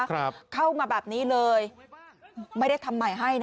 เข้ามาแบบนี้เลยไม่ได้ทำใหม่ให้นะ